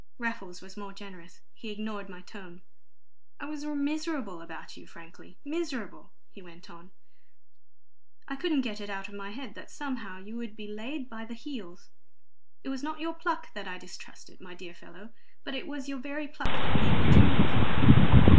Raffles was more generous; he ignored my tone. "I was miserable about you frankly miserable!" he went on. "I couldn't get it out of my head that somehow you would be laid by the heels. It was not your pluck that I distrusted, my dear fellow, but it was your very pluck that made me tremble for you.